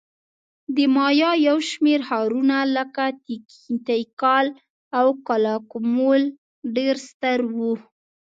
د مایا یو شمېر ښارونه لکه تیکال او کالاکمول ډېر ستر وو